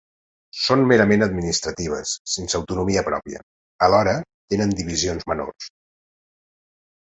Són merament administratives sense autonomia pròpia; alhora, tenen divisions menors.